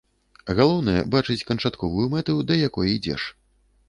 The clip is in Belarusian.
Галоўнае, бачыць канчатковую мэту, да якой ідзеш.